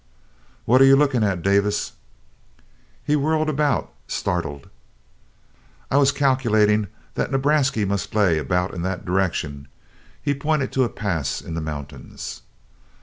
"What are you looking at, Davis?" He whirled about, startled. "I was calc'latin' that Nebrasky must lay 'bout in that direction." He pointed to a pass in the mountains.